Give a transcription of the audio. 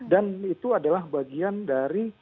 dan itu adalah bagian dari